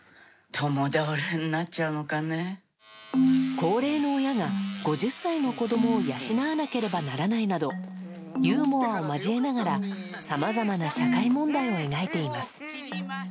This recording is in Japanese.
高齢の親が５０歳の子供を養わなければならないなどユーモアを交えながらさまざまな社会問題を描いています。